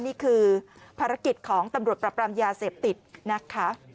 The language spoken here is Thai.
นี่คือภารกิจของตำรวจปรับปรามยาเสพติดนะคะ